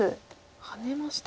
ハネました。